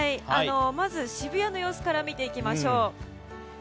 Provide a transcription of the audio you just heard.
まず、渋谷の様子から見ていきましょう。